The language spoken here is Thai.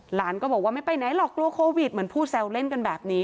หลานก็บอกว่าไม่ไปไหนหรอกกลัวโควิดเหมือนผู้แซวเล่นกันแบบนี้